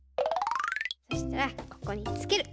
そしたらここにつける。